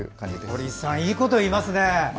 堀さんいいこと言いますね。